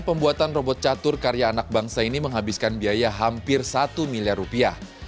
pembuatan robot catur karya anak bangsa ini menghabiskan biaya hampir satu miliar rupiah